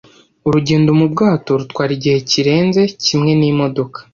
Urugendo mu bwato rutwara igihe kirenze kimwe n'imodoka.